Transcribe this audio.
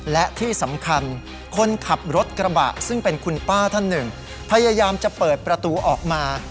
และที่สำคัญคนขับรถกระบะซึ่งเป็นคุณป้าท่านหนึ่งพยายามจะเปิดประตูออกมา